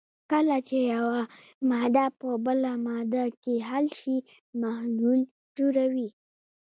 کله چې یوه ماده په بله ماده کې حل شي محلول جوړوي.